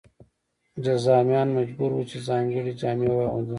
جذامیان مجبور وو چې ځانګړې جامې واغوندي.